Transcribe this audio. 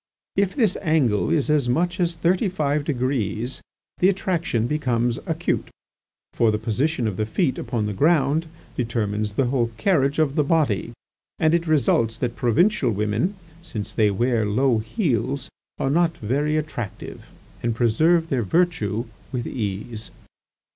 If this angle is as much as thirty five degrees, the attraction becomes acute. For the position of the feet upon the ground determines the whole carriage of the body, and it results that provincial women, since they wear low heels, are not very attractive, and preserve their virtue with ease."